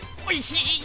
おいしい！